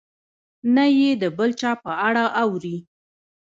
نه یې د بل چا په اړه اوري.